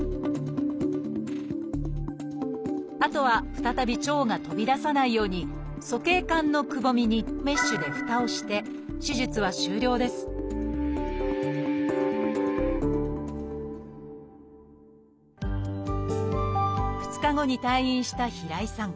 あとは再び腸が飛び出さないように鼠径管のくぼみにメッシュでふたをして手術は終了です２日後に退院した平井さん。